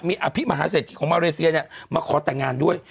มีของมารัสเศียมาขอต่างานด้วย